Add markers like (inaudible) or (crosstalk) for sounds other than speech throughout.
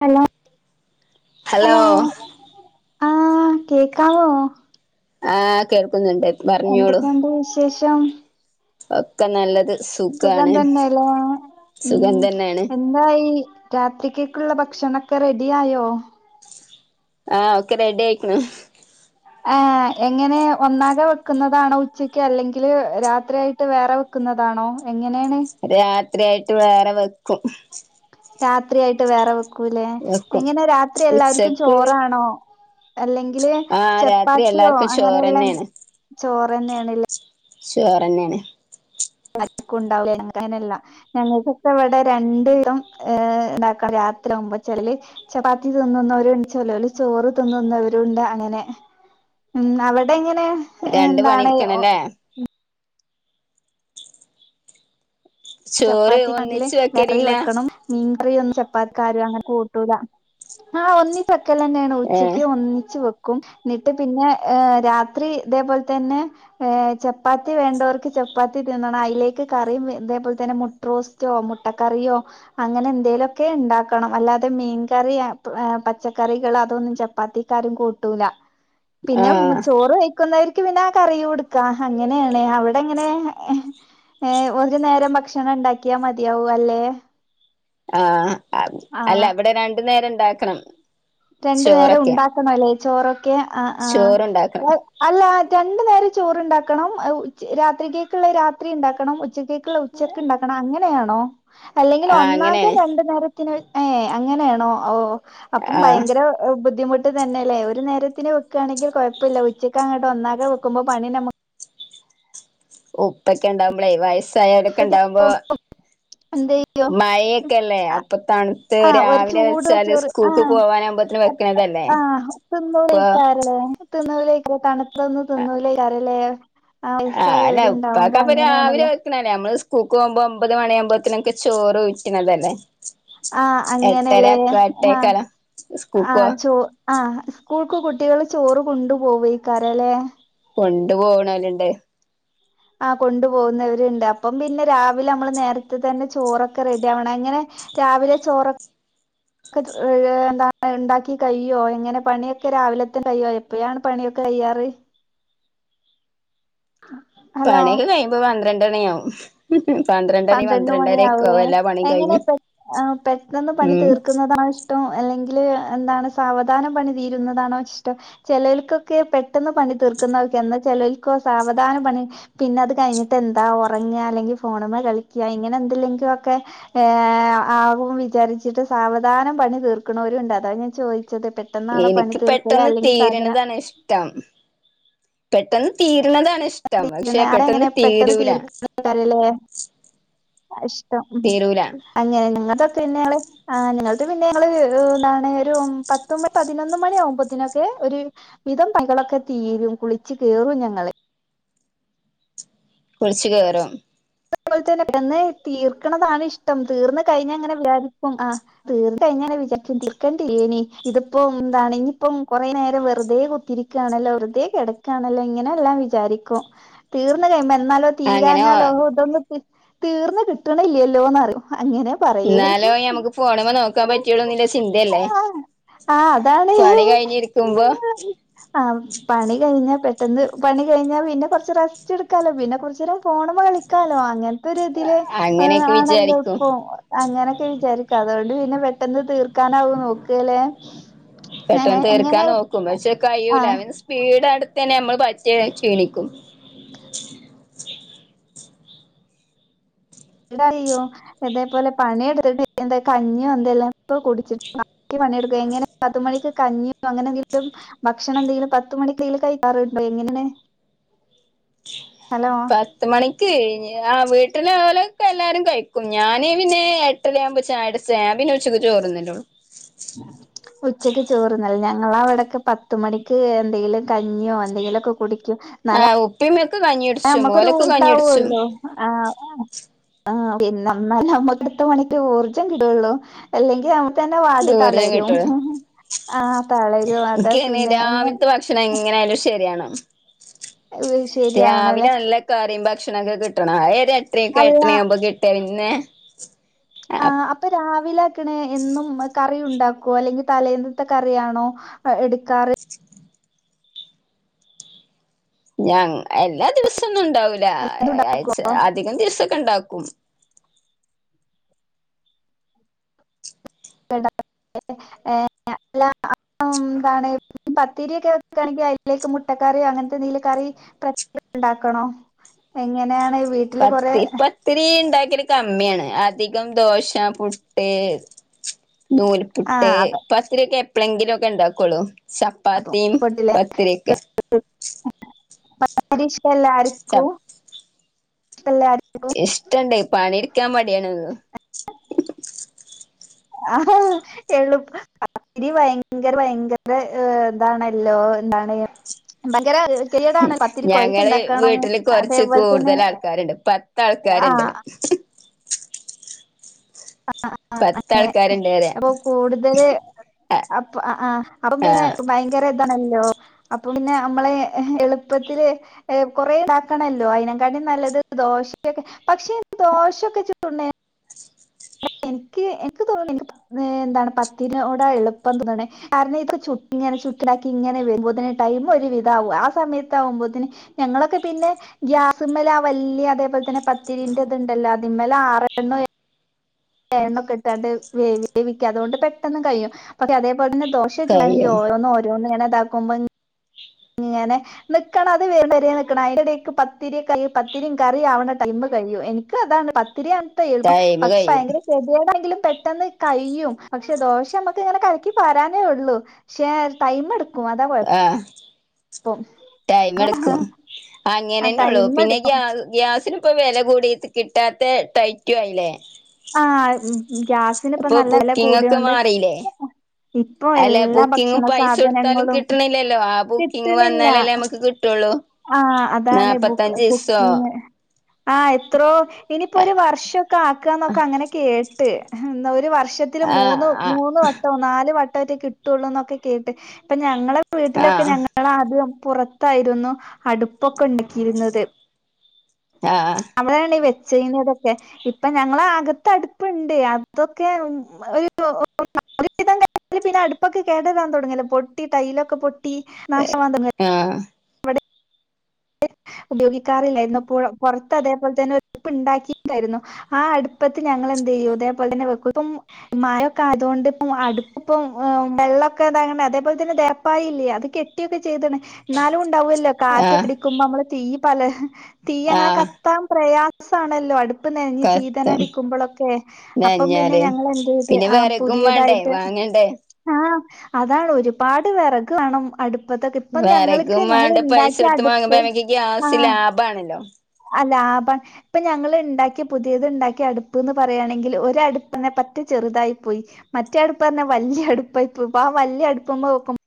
hello hello ആഹ് കേക്കാവോ ആഹ് കേൾ ക്കുന്നുണ്ട് പറ്ഞ്ഞോളൂ ശേഷം ഒക്കെ നല്ലത് സുഖം സുഖാണ് തന്നെയല്ലെ സുഖം ഉം തന്നെയാണ് എന്തായി രാത്രിക്കേക്കുള്ള ഭക്ഷണൊക്കെ റെഡിയായോ ആഹ് ഒക്കെ റെഡി ആയിക്ക്ണ് ഏ എങ്ങനെ ഒന്നാകെ വെക്കുന്നതാണോ ഉച്ചക്ക് അല്ലെങ്കില് രാത്രി ആയിട്ട് വേറെ വെക്കുന്നതാണോ എങ്ങനേണ് ത്രിയായിട്ട് വേറെ വെക്കും രാത്രിയായിട്ട് വേറെ വെ ക്കൂല്ലേ വെക്കും എങ്ങനെ രാത്രി എല്ലാവർക്കും ഉച്ചക്ക് ചോറാണോ അല്ലെങ്കില് ആഹ് രാത്രി ചപ്പാത്തിയോ എല്ലാർക്കും അങ്ങനെയല്ലാം ചോറന്നെയാണ് ചോറ്ന്നെയണല്ലേ ചോറന്നെയാണ് (unintelligible) അങ്ങനല്ല ഞങ്ങൾക്കൊക്കെ ഇവിടെ രണ്ടരം ഉണ്ടാക്ക രാത്രിമ്പോചല് ചപ്പാത്തി തിന്നുന്നവരുണ്ട് ചല ചോറ് തിന്നുന്നവരുണ്ട് അങ്ങനെ ഉം അവിടെ ഇങ്ങനെ രണ്ട് പണിട്ക്കണല്ലേ ചോറ് ചപ്പാത്തിെങ്കില് ഒന്നിച്ച് കറി വെക്കലില്ല വെക്കണം മീൻകറി ഒന്ന് പ്പാക്ക അങ്ങനെ കൂട്ടൂല്ല ആ ഒന്നി ക്കലന്നാണ് ഏഹ് ഉച്ചക്ക് ഒന്നിച്ച് വെ ക്കും എന്നിട്ട് പിന്നെ രാത്രി ഇതേപോൽ തന്നെ ഹ ചപ്പാത്തി വേണ്ടവർക്ക് ചപ്പാത്തി തിന്നണം അയിലേക്ക് കറിയും ഇതേ തന്നെ മുട്ട്റോസ്റ്റോ മുട്ടക്കറിയോ അങ്ങനെ എന്തേലുക്കെ ഉണ്ടാക്കണം അല്ലാതെ മീൻകറി പച്ചക്കറികൾ അതൊന്നും ചപ്പാത്തിക്കാരും കൂട്ടൂല പിന്നെ ആഹ് ചോറ് കഴിക്കുന്ന ന്നക് പിന്നെ ആ കറിമെടുക്കം അങ്ങനെയണ് അവിടെങ്ങനെ നേ ഒരു നേരം ബ ക്ഷണം ഉണ്ടാക്കിയാൽ മതിയാവും അല്ലെ ആ അ അല്ല ഇവിടെ രണ്ടു നേരം ഇണ്ടാ ക്ണം രണ്ടു നേരം ഉണ്ടാക്കണല്ലേ ചോറൊക്കെ ആ ആ ചോറുണ്ടാക്കണം പോയി അല്ല രണ്ടു നേരം ചോറണ്ടാക്കണം ആ ഉച്ച രാത്രി കേക്കുള്ള രാത്രി ഉണ്ടാക്കണം ഉച്ചത്തെ കുള്ള ഉച്ചക്ക്ണ്ടാക്കണം അങ്ങനെ അങ്ങനെ ആണോ അല്ലെങ്കിൽ ആഹ് ഒന്നാകെ അങ്ങനെയാണ് രണ്ടു നേരത്തിന് ഏ അങ്ങനെയാണോ ഓ ഇപ്പം ആഹ് ബയങ്കര ബുദ്ധിമുട്ട് തന്നെല്ലേ ഒരു നേര ത്തിന് വെക്കാണെങ്കിൽ കൊഴപ്പില്ല ഉച്ചക്ക് അങ്ങട്ട് ഒന്നാകെ വെക്കുമ്പോ പണിന്നെ നമ ഉപ്പൊക്കെ ണ്ടാവുമ്പളേ വയസ്സ് സയരൊക്കെണ്ടാവുമ്പോ എന്ത് ചെയ്യും മയെക്കെല്ലേ അപ്പൊ തണുത്ത് ആഹ് ഒരു രാവിലെ ചൂടുള്ള വെച്ചാല് ചോറ് സ്കൂക്ക് ആഹ് പോവാനാമ്പത്തന് വെക്കണതല്ലേ അപ്പൊ (unintelligible) തണ് അതൊന്നു തിന്നൂല കരളെ ആഹ് അല്ല ഉപ്പക്കപ്പൊ രാവിലെ അങ്ങനെയാണല്ലോ വെക്കണല്ലേ നമ്മള് പൂക്ക് പോകുമ്പോ ഒമ്പത് മണിയാകുമ്പത്ത്നൊക്കെ ചോറ് ഊറ്റ്ണതല്ലേ ആഹ് അങ്ങനെല്ലേ ആഹ് എട്ടേക്കാല ആ സ്കൂക്കോ ചോ ആഹ് സ്കൂൾക്ക് കുട്ടികൾ ചോറ് കൊണ്ടു പോവയിക്കാരല്ലേ കൊണ്ട് പോകണല്ലണ്ട് ആഹ് കൊണ്ടുപോകുന്നവരുണ്ട് അപ്പം പിന്നെ രാവിലെ മ്മള് നേരത്തെ തന്നെ ചോറൊക്കെ റെഡി ആവണം എങ്ങനെ രാവിലെ ചോറ് (unintelligible) എന്താണ് ണ്ടാക്കി കയിയോ എങ്ങനെ പണിയൊക്കെ രാവിലെത്ത കയിയോ എപ്പഴാണ് പണിയൊക്കെ കയ്യാറ് ഹലോ പണിയൊക്കെ കഴിയുമ്പോ പന്ത്രണ്ട് മണിയാവും പന്ത്രണ്ടണി പന്ത്രണ്ട് മണിയ പന്ത്രണ്ടരൊക്കെ ആവേ ആവും എല്ലാ പണിയും എങ്ങനെ കഴിഞ്ഞ് പെ പെട്ടെന്ന് പണി ഉം തീർക്കുന്നതാണ ഇഷ്ടം അല്ലെങ്കിൽ ല് എന്താണ് സാവധാനം പണി തീരുന്നതാണോ ഇഷ്ടം ചെലൽക്കക്കെ പെട്ടന്ന് പണി തീർക്കുന്നവർക്ക് എന്നാ ചെലൽ ക്ക് സാവധാന പണി പിന്നെ അത് കഴിഞ്ഞിട്ട് എന്താ ഉറങ്ങ അല്ലെങ്കിൽ ഫോണമ്മേൾ കളിക്ക ഇങ്ങനെ എന്ത്ല്ലെങ്കിലൊക്കെ ഹ ആവും വിചാരിച്ചിട്ട് സാവധാനം പണി തീർക്ക്ണോരുണ്ട് അതാ ഞാൻ ചോദി എനിക്ക് പെട്ടെന്ന് സാധന തീരണ്താണ് ഇഷ്ടം പെട്ടെന്ന് തീരുന്നതാണ് ഇഷ് അവിടെ എങ്ങനെ പെട്ടെന്ന് തീർ കല്ലേ ഇഷ്ടം ഉം തീരൂല അങ്ങനെ നിങ്ങൊക്കെന്നെ ങ്ങള് ആ ഞങ്ങൾക്ക് പിന്നെ ഞങ്ങള് എന്താണ് ഒരു പത്ത് പതിനൊന്ന് മണി ആകുമ്പോത്തിനൊക്കെ ഒരു വിധം പണികളൊക്കെ തീരും കുളിച്ചു കേറും ഞങ്ങള് കുളിച്ചു കേറും അത്പോലെ തന്നെ തീർക്കണതാണ് ഇഷ്ടം തീർന്ന് കഴിഞ്ഞ അങ്ങനെ വിചാരിക്കും ആ തീർ കഴിഞ്ഞ വിചാരിക്കു തീർക്കണ്ടേനി ഇതിപ്പോ എന്താണ് ഇനിപ്പം കൊറെ നേരം വെറുതെ കുത്തിരിക്കുകയാണല്ലോ വെറുതെ കിടക്കുകണല്ലോ ഇങ്ങനെ എല്ലാം വിചാരിക്കും തീർന്ന് കഴിയുമ്പം എന്നാലോ അങ്ങനെ തീരാഞ്ഞാലോ ഹോ തീർന്ന് കിട്ടണില്ലല്ലോന്നാണ് ഇന്നാലോ ഞമ്മുക്ക് ഫോണ് മ്മേ നോക്കാൻ പറ്റിയെനേ ചിന്തയല്ലേ ആഹ് ആഹ് അതാണ് പണി കഴിഞ്ഞിരിക്കുമ്പോ പെട്ടന്ന് പണി കഴിഞ്ഞാ പിന്നെ കുറച്ച് റസ്റ്റ് എടുക്കാലോ പിന്നെ കുറച്ച നേരം ഫോൺ മ്മെ കളിക്ക ക്കാലോ അങ്ങനെ ഇതൊ ഇതില് ഹ അങ്ങനെയൊക്കെ ആണല്ലോ വിചാരിക്കും ഇപ്പൊ അങ്ങനൊക്കെ വിചാരിക്കും അതോ ത് പിന്നെ പെട്ടെന്ന് തീർ ഞങ്ങ പെട്ടെന്ന് തീർക്കാൻ എങ്ങനെ നോക്കും പക്ഷേ കഴൂല ആഹ് അവന് സ്പീഡ് അടു തന്നെ നമ്മൾ പറ്റെ ക്ഷീണിക്കും എന്താ അറിയോ ഇതേപോലെ പണിയെടുത്തിട്ട് എന്താ കഞ്ഞിയോ എന്തെല്ലൊക്കെ കുടിച്ചിട്ട് പണിയെടുക്ക എങ്ങനെ പത്തുമണിക്ക് കഞ്ഞിയോ അങ്ങനെങ്കിലും ഭക്ഷണം എന്തെങ്കിലും പത്തുമണിക്കും കഴിക്കാറ്ണ്ടോ എങ്ങനെ പത്ത് മണിക്ക് യാ വീട്ടിലെ ഓലൊക്കെ എല്ലാരും കഴിക്കും ഞാന് പിന്നെ എട്ടരായാമ്പം ആമ്പോ ചാ കുടിച്ച പിന്നെ ഉച്ചക്ക് ചോറ് തിനല്ലേ ഉള്ളു ങ്ങാ വടക്ക് പത്ത് മണിക്ക് എന്തെങ്കിലും കഞ്ഞിയൊ എന്തെകിലൊക്കെ കുടി ആഹ് ഉപ്പി ഇമ് നമ്മക്കൊരു ഉണ്ടാകുവുള്ളു ആ ആ പിന്നെ എന്നാല് നമ്മുക്ക്ടുത്ത പണിക്ക് ഊർജ്ജം കിടുള്ളൂ അല്ലെങ്കിൽ നാ തന്നെ വാടി ചോറേ തളരും കിട്ടുള്ളൂ ആ തളരും അത എനിക്കങ്ങനെ പിന്നെ എങ്ങ രാവിലത്തെ ഭക്ഷണം എങ്ങനായാലും ശരിയാണ് ശരിയാവണല്ലേ രാവിലെ നല്ല കറിയും ഭക്ഷണൊക്കെ കിട്ടണം ആ എട്ടരായൊക്കെ അല്ല എട്ടണ ആവുമ്പോ കിട്ടിയ പിന്നെ ആ അപ്പ രാവ് വിലെ ക്ക്ണ് എന്നും കറിയു താക്കോ അല്ലെങ്കി തലേന്ന്ത്തെ കറിയാണോ അ എട്ത കാറ് ഞാ എല്ലാ ദിവസൊന്നും ണ്ടാവൂല യായ്ച് അധികം ദിവസൊക്കെണ്ടാക്കും (unintelligible) ഉം ന്താണ് പത്തിര്യാെക്കെ വെക്കാണെങ്കി അയ്ലേക്ക് മുട്ടക്കറ്യാേ അങ്ങൻത്തെന്തേലും കറി പ്രത്യേകം ണ്ടാക്കണോ എങ്ങെനാണ് പത്തി പത്തിരീണ്ടാ ക്കല് കമ്മ്യാണ് അധികം ദോശ പുട്ട് ആ നൂൽപുട്ട് അത് പത്തിരിക്കെ പ്പ്ളെങ്കിലൊക്കെ ണ്ടാക്കാെള്ളൂ അതും ചപ്പാത്തിം പെട്ടില്ലേ പത്തിര്യെക്കെ (unintelligible) രീഷ് എല്ലാര്ക്കു ഇഷ്ടണ്ടേ പണിട്ക്കാൻ മട്യാണ്ന്ന് ആ എളുപ്പ അരി ബയങ്കര ബയങ്കര എന്താണല്ലോ എന്താണ് ബയങ്കര ഞങ്ങള് വീട്ടില് കൊറച്ച് അതേപോലെ തന്നെ കൂടുതല് ആൾക്കാരോണ്ട് ആ പത്താൾക്കാരോണ്ട് ആ ആ അങ്ങനെ പത്താൾക്കാരുണ്ട് പറയാ അപ്പൊ കൂടുതല് അ ആ അപ്പം പിന്നെ ആഹ് ബയങ്കര ഇതാണല്ലോ അപ്പൊ പിന്നെ അമ്മള് എളുപ്പത്തില് കൊറെ ഇതാക്കണല്ലോ അയിനെക്കാട്ടും നല്ലത് ദോശയൊക്കെ പക്ഷെ ദോശേക്കെ ചുടണെ എനിക്ക് എനിക്ക് തോന്ന്ണ് എനിക്ക് എന്താണ് പത്തിരിനോടാ എളുപ്പം തോന്നാണെ കാരണം ഇത് ചു ചുട്ട് ഇതാക്കി വരുമ്പോതെന്ന് ടൈം ഒരു വിധവും ആ സമയത്ത് ആകുമ്പോതിന് ഞങ്ങളൊക്കെ പിന്നെ ഗ്യാസിമ്മേലാ ആ വല്യ അതേപോലെതന്നെ പത്തിരിന്റെ ഇതുണ്ടല്ലോ അതിമ്മേല ആറെണ്ണം ഏഴ് ണ്ണൊക്കെ ഇട്ടാണ്ട് വേ വേവിക്ക അതോണ്ട് പെട്ടെന്ന് കഴിയും പക്ഷെ അതേ പോലന്നെ ദോശചുടാണെങ്കി കഴിയും ഓരോന്ന് ഓരോന്ന് തന്നെ തക്കുമ്പം ഇങ്ങനെ നിക്കണം അത് വേവുന്നവരെ നിക്കണം അയിന്റെടേക്ക് പത്തിരി കൽപത്തിരിം കറി ആവണ ടൈമ് കഴിയും എനിക്ക് അതാണ് പത്ത ഒത്തിരി അവസ്ഥയായിരുന്നു ടൈമ് പക്ഷെ കഴിയും ഭയങ്കര കെത്യേടയെങ്കിലും പെട്ടെന്ന് കയ്യും പക്ഷെ ദോശമ്മക്ക് ഇങ്ങനെ കലക്കി പാരാനേ ഒള്ളൂ ക്ഷേ ടൈമ് എടു കുമത കൊ ടൈമ് എടുക്കും ആ അങ്ങനെന്നുള്ളൂ ടൈം പിന്നെ ഗ്യ എടുക്കും ഗ്യാ ഗ്യാസിനിപ്പോ വെല കൂടി കിട്ടാത്തെ ടൈറ്റു ആയില്ലേ ആഹ് ഗ്യാസിനിപ്പോ ഇപ്പൊ നല്ല വെല ബുക്കിംഗ് ഒക്കെ കൂടിയോണ്ട് മാറിയില്ലേ ഇപ്പൊ അല്ല എല്ലാ ബുക്കിങ് ഭക്ഷണ പൈസൊടുത്താലും സാധനങ്ങളും കിട്ടണില്ലല്ലോ ആ ബുക്കിങ് കിട്ടണില്ല വന്നാലല്ലേ നമ്മുക്ക് കിട്ടുള്ളു ആ അതാണ് ബുക്ക് നാപത്തഞ്ച്സോ കുക്കിങ് ആഹ് എത്രോ ഇനിപ്പോ ഒരു വർഷൊക്കെ ആ ക്കാന്നൊക്കെ അങ്ങനെ കേട്ട് എഹ്ന്താ ഒരു വർഷ ഷത്തിൽ മൂന്ന് ആഹ് മൂന്ന് വട്ടവും നാല് വ ട്ടായിട്ട് കിട്ടുള്ളൂന്നൊക്കെ കേട്ട് ഇപ്പ ഞങ്ങള് വീട്ടിലൊക്കെ ആഹ് ഞങ്ങളാദ്യം പുറത്തായിരുന്നു അടുപ്പൊക്കെ ഉണ്ടാക്കിയിരുന്നത് ആഹ് അവിടാണ് വെ ചെയ്യുന്നതൊക്കെ അപ്പൊ ഞങ്ങള അകത്തടുപ്പുണ്ട് അതൊക്കെ (inaudible) പിന്നെ അടുപ്പൊക്കെ കേടരാൻ തുടങ്ങില് പൊട്ടി ടൈലൊക്കെ പൊ ട്ടി നാശം ആഹ് (unintelligible) ഉപയോഗിക്കാറില്ലായിരുന്നു പുഴോ പൊറത്ത് അതേപോലെ തന്നെ അടുപ്പ് ഉണ്ടാക്കിക്കാരുന്നു ആ അടുപ്പത്ത് ഞങ്ങളെന്തെയ്യും ഇതേപോലെ തന്നെ വെക്കും ഇപ്പം മഴൊക്കെ ആയതുകൊണ്ട് ഇപ്പം അടുപ്പിപ്പം വെള്ളൊക്കെ ഇതാ അതേപോലെ തന്നെ തേപ്പായല്ലേ അത് കെട്ടിയൊക്കെ ചെയ്തണ്ന്നാലും ണ്ടാവല്ലോ കാറ്റൊ ആഹ് ക്ക്മ്പോമ്മള് തീ പല തീ അങ്ങനെ ആഹ് കത്താൻ പ്രയാ സ് ആണല്ലോ അടു പ്പം നനഞ് കഷ്ടം ചീതനടിക്കുമ്പോളൊക്കെ അപ്പം പിന്നെ നനഞ്ഞാല് ഞങ്ങളെന്തെയ്ത് പിന്നെ ആ വെറകും വേണ്ടേ പുതിയതായിട്ട് വാങ്ങണ്ടേ ആഹ് അതാണ് ഒരുപാട് വിറക്ക് വേണം അടു ടുപ്പത്ത് ഇപ്പം ഞങ്ങൾക്ക് ഞങ്ങളിണ്ടാക്കിയ അടു ക്കുമ്പ മ്മക്ക് ഗ്യാസ് ലാഭണല്ലോ ആ ലാഭം ഇപ്പ ഞങ്ങള്ണ്ടാക്കിയ പുതിയത്ണ്ടാക്കിയ അടുപ്പ്ന്ന് പറയാണെങ്കിൽ ഒരടുപ്പ് പറ്റെ ചെറുതായി പോയി മറ്റേ അടുപ്പ് പറഞ്ഞെ വല്ല്യ അടുപ്പായി പോയി ആ വല്ല്യ അടു (unintelligible)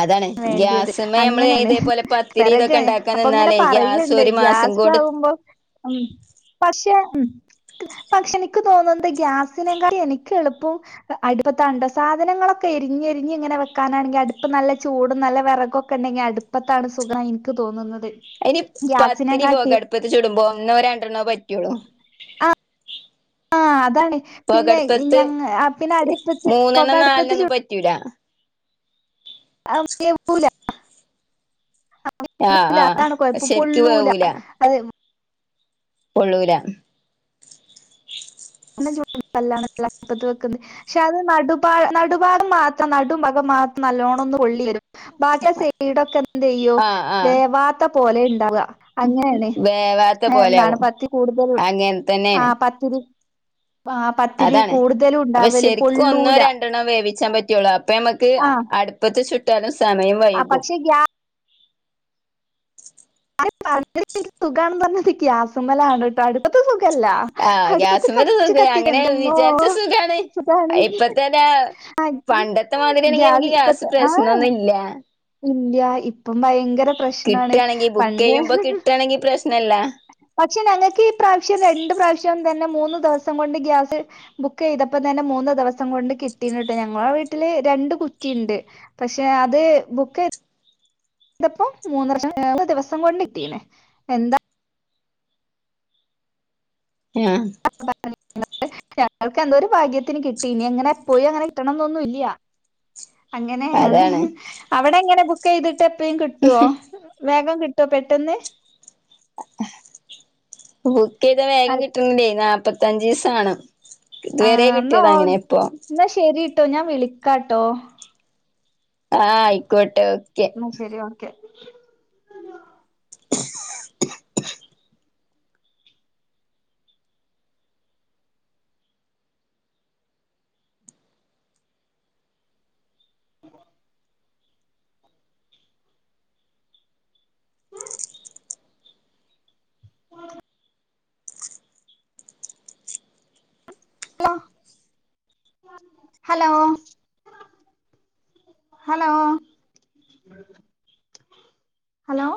അതാണ് വേണ്ടിയത് ഗ്യാസ്മ്മേ നമ്മള് അങ്ങനെണ് ഇതേപോലെ പത്തിരി വിറക് ഇതൊക്കെ ഉണ്ടാക്കാൻ അപ്പൊ അങ്ങനെ നിന്നാലേ ഗ്യാസ് പറയുണ്ട് ഒരു മാസം കൊണ്ട് ഗ്യാസാവുമ്പോ ഉം പക്ഷേ ഉം പക്ഷെ എനിക്ക് തോന്നുന്നത് ഗ്യാസിനെകാൾ എനിക്ക് എളുപ്പം അടുപ്പത്താണ്ട്ടൊ സാധനങ്ങളൊക്കെ എരിഞ്ഞ് എരിഞ്ഞ് ഇങ്ങനെ വെക്കാനാണെങ്കിൽ അടുപ്പ് നല്ല ചൂടും നല്ല വിറകൊക്കെ ഉണ്ടെങ്കി അടുപ്പത്താണ് സുഖം എനിക്ക് തോന്നുന്നത് അനി പത്തിരി പോ ഗ്യാസിനെകാട്ടിയും കടുപ്പത്തി ചൂടുമ്പോ ഒന്നോ രണ്ടെണ്ണോ പറ്റുള്ളു ആ അ അതാണ് പിന്നെ ഞാ പിന്നെ അടുപ്പത്ത് പൊക മൂന്നെണ്ണം അടുപ്പത്ത് നാലെണ്ണൊന്നും ചുട് പറ്റൂല വേവൂല ആഹ് ല ആഹ് അതാണ് കൊഴപ്പം ശരിക്കും പൊള്ളൂല വേവൂല അത് പൊള്ളൂല (unintelligible) പക്ഷെ അത് നടു നടുഭാഗം മാത്രം നടു ഭാഗം മാത്രം നല്ലോണം ഒന്ന് പൊള്ളിവരും ബാക്കി സൈടൊക്കെ എന്തെയ്യും ആഹ് ആഹ് വേവാത്തെ പോലെ ഉണ്ടാവ്അ അങ്ങനെയണ് വേവാത്ത എന്താണ് പോലെയാവും പത്തി കൂടുതൽ അങ്ങനെ ആ തന്നെയാണ് പത്തിരി ആഹ് പത്തിരി അതാണ് കൂടുതലും അപ്പൊ ഉണ്ടാവല് ശരിക്കും ഒന്നോ പൊള്ളൂല രണ്ടെണ്ണോ വേവിച്ചാൻ പറ്റുള്ളൂ അപ്പൊ നമക്ക് ആഹ് അടുപ്പത്ത് ചു ടെനസ് സമയം ആ വൈകും പക്ഷെ ഗ്യാസ് (unintelligible) സുഖാണ് പറഞ്ഞത് ഗ്യാസ് മലാണ് ട്ടോ അടുപ്പത്ത് സുഖ ല്ല ആഹ് അടുപ്പത്ത് ഗ്യാസുമ്മല് കത്തിച്ച് സുഖ കത്തി അങ്ങനെ എന്റെമ്മോ വിചാരിച്ച സുഖാണ് ഇതാണ് ഇപ്പത്തന്നെ (unintelligible) പണ്ടത്തെ മാതിരിയാണെങ്കി ഗ്യാസ് നമുക്ക് ഇപ്പത്തെ ആ പ്രശ്നൊന്നും ഇല്ല ഇല്ല ഇപ്പം ഭയങ്കര പ്രശ്നാണ് കിട്ടാണെങ്കി ബുക്ക് ചെയ്യുമ്പോ കിട്ടാണെങ്കി പ്രശ്നല്ല പക്ഷെ ഞങ്ങൾക്ക് ഇ പ്രാവശ്യം രണ്ട് പ്ര വശ്യം തന്നെ മൂന്ന് ദിവസം കൊണ്ട് ഗ്യാസ് ബുക്ക് ചെയ്തപ്പ തന്നെ മൂന്ന് ദിവസം കൊണ്ട് കിട്ടീട്ണ് ട്ടോ ഞങ്ങളെ വീട്ടില് രണ്ട് കുറ്റിണ്ട് പക്ഷെ അത് ബുക്ക് ചെയ ഇതപ്പോ മൂന്ന് (unintelligible) മൂന്ന് ദിവസം കൊണ്ട്ട്ടീണ് എന്താ ആ (unintelligible) ഞങ്ങൾക്ക് എന്തോ ഒരു ഭാഗ്യ ത്തിന് കിട്ടി ഇനി അങ്ങനെ പോയി അങ്ങനെ കിട്ടണം എന്നൊന്നും ഇല്ല അങ്ങനെയാണ് അതാണ് അവിടെ എങ്ങനെ ബു ക്കെയ്ത് എപ്പളേം കിട്ടോ വേ ഗം കിട്ടോ പെട്ടെന്ന് ബുക്ക് ചെയ്താ വേഗം അൽ കിട്ടൊന്നില്ലേ നാപ ത്തഞ്ചീസാണം ഇത് ആ വരെ കിട്ടിയത് അങ്ങനെ ഇപ്പൊ ട്ടോ ഞാൻ വിളിക്കാട്ടോ ആഹ് ആയിക്കോട്ടെ ഓക്കെ എന്നാ ശരി ഓക്കെ ഉ ഹലോ ഹലോ ഹലോ